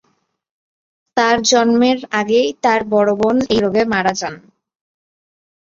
তাঁর জন্মের আগেই তাঁর বড়ো বোন এই রোগে মারা যান।